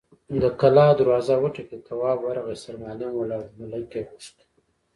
د کلا دروازه وټکېده، تواب ورغی، سرمعلم ولاړ و، ملک يې غوښت.